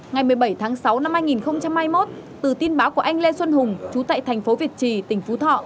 ngày một mươi bảy tháng sáu năm hai nghìn hai mươi một từ tin báo của anh lê xuân hùng chú tại thành phố việt trì tỉnh phú thọ